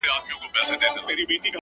خدايه نری باران پرې وكړې’